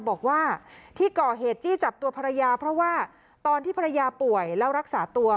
บอกว่าที่ก่อเหตุจี้จับตัวภรรยาเพราะว่าตอนที่ภรรยาป่วยแล้วรักษาตัว